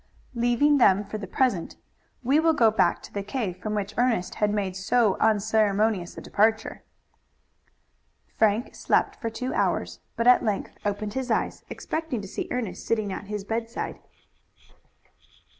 Leaving them for the present, we will go back to the cave from which Ernest had made so unceremonious a departure. Frank slept for two hours, but at length opened his eyes, expecting to see Ernest sitting at his bedside.